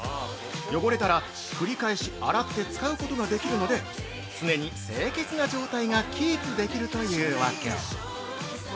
汚れたら、繰り返し洗って使うことができるので、常に清潔な状態がキープできるというわけ。